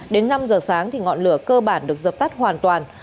đến năm giờ sáng thì ngọn lửa cơ bản được dập tắt hoàn toàn